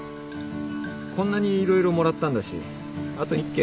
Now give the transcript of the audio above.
こんなに色々もらったんだしあと１軒行っとくか。